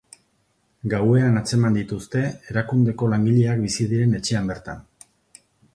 Gauean atzeman dituzte, erakundeko langileak bizi diren etxean bertan.